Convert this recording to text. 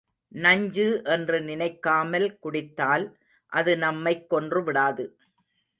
நஞ்சு என்று நினைக்காமல் குடித்தால் அது நம்மைக் கொன்றுவிடாது.